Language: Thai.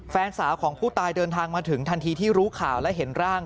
แฟนสาวของผู้ตายเดินทางมาถึงทันทีที่รู้ข่าวและเห็นร่าง